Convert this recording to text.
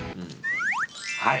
はい。